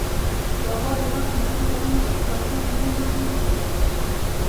بابا د وخت مهم کارونه په کتابچو کې ولیکي.